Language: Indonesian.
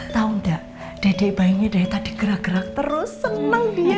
tahu enggak dedek bayinya dari tadi gerak gerak terus seneng dia